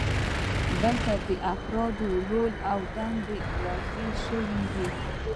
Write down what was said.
دلته د افرادو رول او دندې واضحې شوې وي.